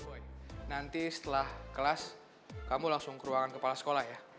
nanti setelah kelas kamu langsung ke ruangan kepala sekolah ya